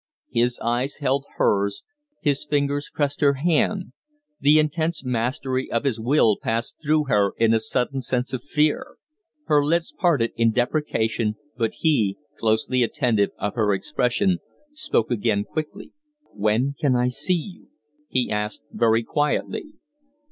His eyes held hers, his fingers pressed her hand; the intense mastery of his will passed through her in a sudden sense of fear. Her lips parted in deprecation, but he closely attentive of her expression spoke again quickly. "When can I see you?" he asked, very quietly.